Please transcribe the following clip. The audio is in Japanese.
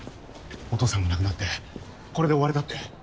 お父さんが亡くなってこれで終われたって。